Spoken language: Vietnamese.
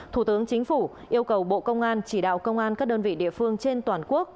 thủ tướng chính phủ yêu cầu bộ công an chỉ đạo công an các đơn vị địa phương trên toàn quốc